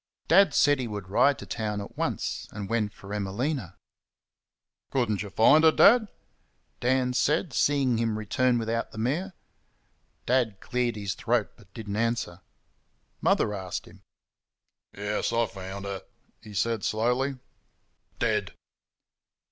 Dad said he would ride to town at once, and went for Emelina. "Could n't y' find her, Dad?" Dan said, seeing him return without the mare. Dad cleared his throat, but did n't answer. Mother asked him. "Yes, I FOUND her," he said slowly, "DEAD."